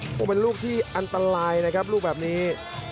คงเป็นลูกที่อันตรายนะครับลูกแบบนี้